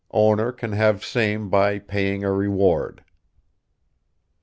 Owner can have same by paying a reward."